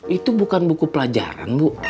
itu bukan buku pelajaran bu